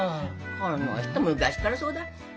この人昔からそうだ。